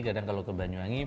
kadang kalau ke banyuwangi